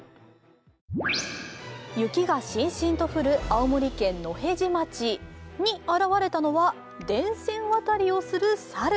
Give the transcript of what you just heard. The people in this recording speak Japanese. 雪がしんしんと降る青森県野辺地町にあらわれたのは電線渡りをする猿。